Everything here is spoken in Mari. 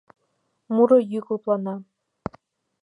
Муро йӱк лыплана.